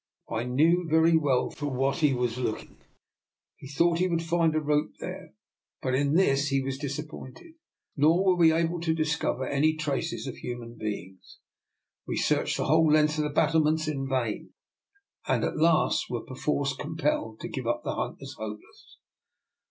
I knew very well for what he was looking. He thought he would find a rope there, but in this he was disappointed. Nor were we able to discover any traces of human beings. We 16 238 JDR NIKOLA'S EXPERIMENT. searched the whole length of the battlements in vain, and at last were perforce compelled to give up the hunt as hopeless.